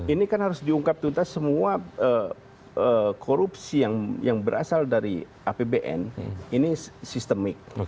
ini kan harus diungkap tuntas semua korupsi yang berasal dari apbn ini sistemik